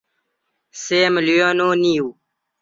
سێ ملیۆن و نیو